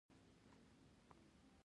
د نا امېدۍ سره منفي سوچونه شورو شي